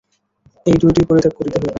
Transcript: এই দুইটিই পরিত্যাগ করিতে হইবে।